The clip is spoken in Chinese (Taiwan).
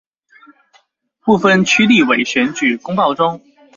不分區立委選舉公報中